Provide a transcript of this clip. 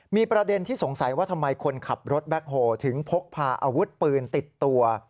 มีประเด็นที่สงสัยว่าทำไมคนขับรถแบ็คโฮลถึงพกพาอาวุธปืนติดตัว